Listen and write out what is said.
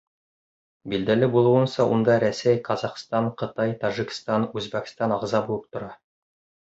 Билдәле булыуынса, унда Рәсәй, Ҡаҙағстан, Ҡытай, Тажикстан, Үзбәкстан ағза булып тора.